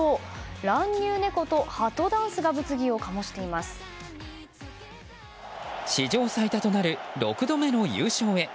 乱入猫とハトダンスが史上最多となる６度目の優勝へ。